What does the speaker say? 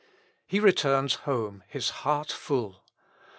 He returns home, his heart full.